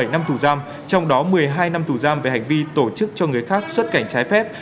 một mươi bảy năm thủ giam trong đó một mươi hai năm thủ giam về hành vi tổ chức cho người khác xuất cảnh trái phép